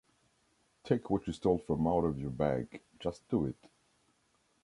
Take what you stole from out of your bag. Just do it.